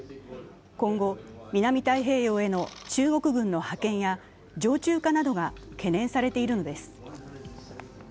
今後、南太平洋への中国軍の派遣や常駐化などが懸念されているのです。